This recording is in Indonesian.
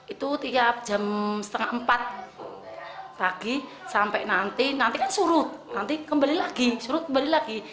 itu tiap jam setengah empat pagi sampai nanti nanti kan surut nanti kembali lagi surut kembali lagi